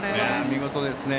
見事ですね。